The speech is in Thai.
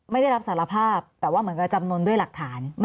ไม่ได้รับสารภาพแต่ว่าเหมือนกับจำนวนด้วยหลักฐาน